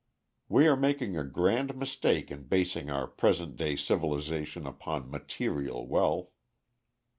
We are making a grand mistake in basing our present day civilization upon material wealth.